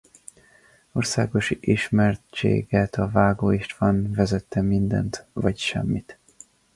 Országos ismertséget a Vágó István vezette Mindent vagy semmit!